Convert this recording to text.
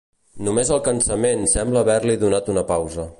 Només el cansament sembla haver-li donat una pausa.